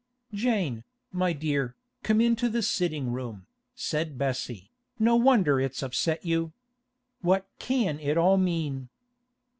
'Jane, my dear, come into the sitting room,' said Bessie 'No wonder it's upset you. What can it all mean?